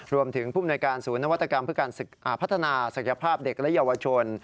รวมถึงผู้มนวยการศูนย์นวัตกรรมเพื่อการพัฒนาศักยภาพเด็กและเยาวชน